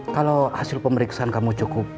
kalau hasil pemeriksaan kamu cukup